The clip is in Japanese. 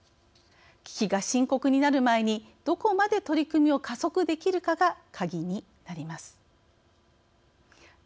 危機が深刻になる前にどこまで取り組みを加速できるかがカギになります。